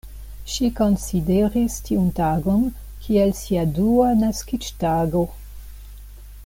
Ŝi konsideris tiun tagon kiel sia dua naskiĝtago.